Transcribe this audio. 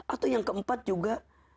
atau yang keempat juga